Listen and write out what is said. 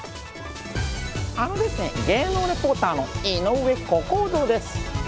あのですね、芸能レポーターの井上小公造です。